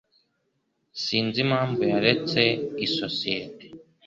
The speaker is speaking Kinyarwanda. Sinzi impamvu yaretse isosiyete.